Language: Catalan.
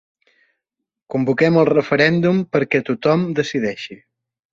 Convoquem el referèndum perquè tothom decideixi.